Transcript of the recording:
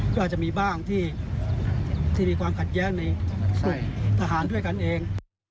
ก็อาจจะมีบ้างที่มีความขัดแย้งในทหารด้วยกันเอง